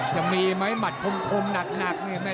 จะมีมัตต์คมหนักแบบนี้